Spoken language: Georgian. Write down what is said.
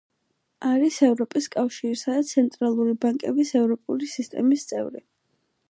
არის ევროპის კავშირისა და ცენტრალური ბანკების ევროპული სისტემის წევრი.